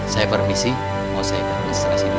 saya permisi mau saya ke administrasi dulu